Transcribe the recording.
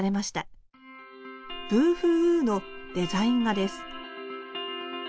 「ブーフーウー」のデザイン画です